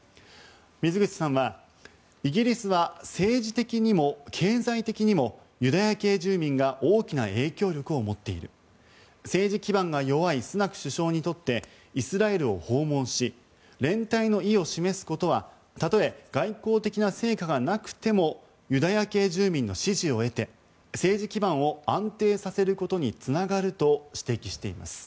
水口さんは、イギリスは政治的にも経済的にもユダヤ系住民が大きな影響力を持っている政治基盤が弱いスナク首相にとってイスラエルを訪問し連帯の意を示すことはたとえ外交的な成果がなくてもユダヤ系住民の支持を得て政治基盤を安定させることにつながると指摘しています。